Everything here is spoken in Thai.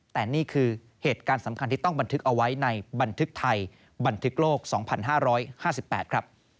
แต่นี่คือเหตุการณ์สำคัญที่ต้องบันทึกเอาไว้ในบันทึกไทยบันทึกโลก๒๕๕๘ครับ